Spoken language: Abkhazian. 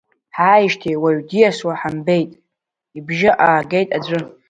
Ҳааижьҭеи уаҩ диасуа ҳамбеит, ибжьы аагеит аӡәы.